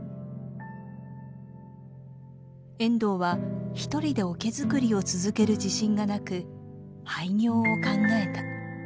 遠藤は一人で桶づくりを続ける自信がなく廃業を考えた。